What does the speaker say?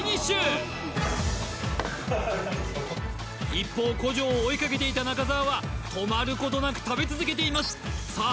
一方古城を追いかけていた中澤は止まることなく食べ続けていますさあ